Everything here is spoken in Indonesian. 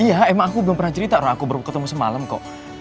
iya emang aku belum pernah cerita orang aku baru ketemu semalam kok